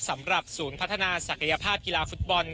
สำหรับศูนย์พัฒนาศักยภาพกีฬาฟุตบอล